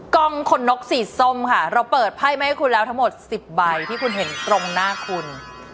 กล่องขนนกสีส้มค่ะเราเปิดไพ่มาให้คุณแล้วทั้งหมด๑๐ใบที่คุณเห็นตรงหน้าคุณ